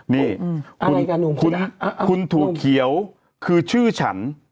นี่คุณถั่วเขียวคือชื่อฉัน